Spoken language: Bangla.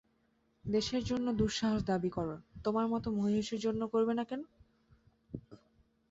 দেশের জন্যে দুঃসাহস দাবি কর, তোমার মতো মহীয়সীর জন্যে করবে না কেন?